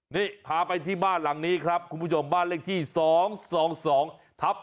นี่พาไปที่บ้านหลังนี้ครับคุณผู้ชมบ้านเลขที่๒๒ทับ๑